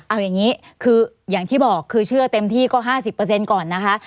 เอาอย่างนี้คืออย่างที่บอกคือเชื่อเต็มที่ก็๕๐ก่อนนะคะ